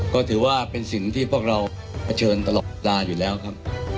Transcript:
ก็ถือว่าเป็นสิ่งที่พวกเราเผชิญตลอดเวลาอยู่แล้วครับ